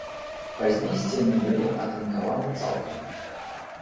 Пазней сцены былі атынкаваны цалкам.